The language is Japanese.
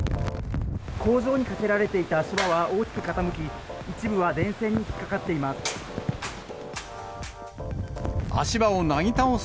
工場にかけられていた足場は大きく傾き、一部は電線に引っ掛かっています。